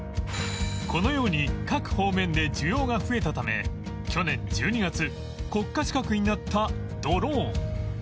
このように各方面で需要が増えたため去年１２月国家資格になったドローン